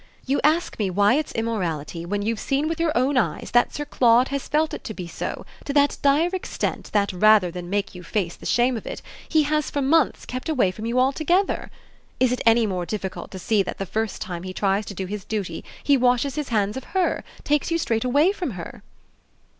You ask me why it's immorality when you've seen with your own eyes that Sir Claude has felt it to be so to that dire extent that, rather than make you face the shame of it, he has for months kept away from you altogether? Is it any more difficult to see that the first time he tries to do his duty he washes his hands of HER takes you straight away from her?"